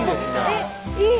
えっいい。